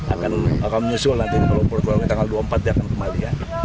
akan menyusul nanti di kuala lumpur tanggal dua puluh empat dia akan kembali